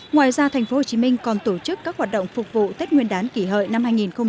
ngoài ra thành phố hồ chí minh còn tổ chức các hoạt động phục vụ tết nguyên đán kỷ hợi năm hai nghìn một mươi chín